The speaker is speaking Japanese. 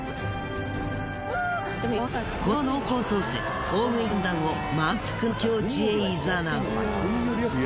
この濃厚ソースで大食い軍団を満腹の境地へいざなう。